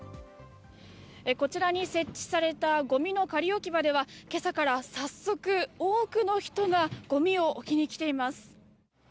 こちらに設置されたごみの仮置き場では、今朝から早速、多くの人がごみを置きに来ています。